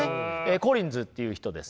コリンズっていう人です。